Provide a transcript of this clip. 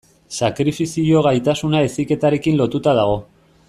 Sakrifizio gaitasuna heziketarekin lotuta dago.